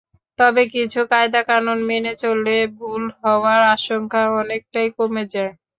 তবে কিছু কায়দাকানুন মেনে চললে ভুল হওয়ার আশঙ্কা অনেকটাই কমে যায়।